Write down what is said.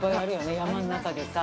山の中でさ。